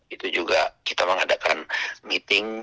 itu juga kita mengadakan meeting